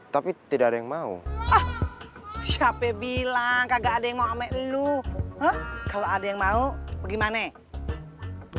tapi tidak ada yang mau siapa bilang kagak ada yang mau amelu kalau ada yang mau bagaimana